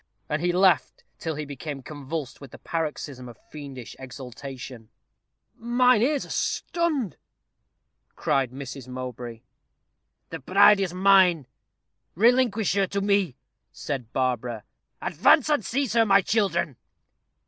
And he laughed till he became convulsed with the paroxysm of fiendish exultation. "Mine ears are stunned," cried Mrs. Mowbray. "The bride is mine; relinquish her to me," said Barbara. "Advance and seize her, my children."